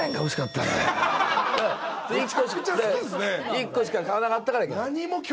１個しか買わなかったからいけない。